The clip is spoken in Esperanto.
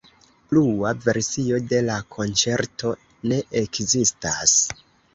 Plua versio de la konĉerto ne ekzistas.